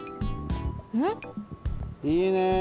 いいね！